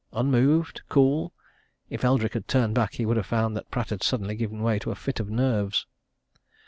Unmoved? cool? if Eldrick had turned back, he would have found that Pratt had suddenly given way to a fit of nerves.